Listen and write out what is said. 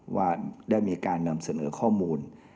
ว่าถ้าได้มีการเงินเสิญอข้อมูล